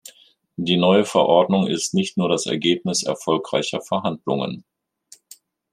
Die neue Verordnung ist nicht nur das Ergebnis erfolgreicher Verhandlungen.